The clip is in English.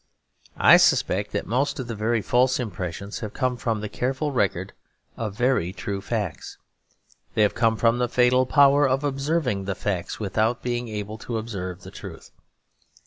I suspect that most of the very false impressions have come from the careful record of very true facts. They have come from the fatal power of observing the facts without being able to observe the truth.